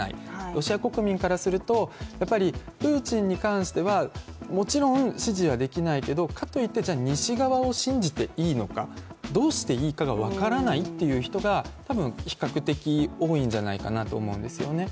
ロシア国民からすると、プーチンに関してはもちろん支持はできないけど、かといって西側を信じていいのか、どうしていいかが分からないという人が多分比較的多いんじゃないかなと思うんですよね。